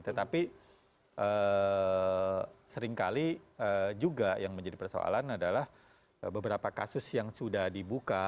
tetapi seringkali juga yang menjadi persoalan adalah beberapa kasus yang sudah dibuka